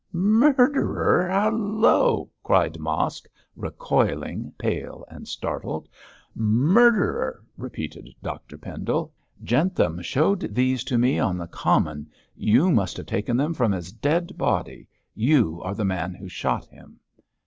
'Murderer! Halloa!' cried Mosk, recoiling, pale and startled. 'Murderer!' repeated Dr Pendle. 'Jentham showed these to me on the common; you must have taken them from his dead body. You are the man who shot him.'